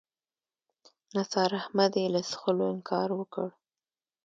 نثار احمدي له څښلو انکار وکړ.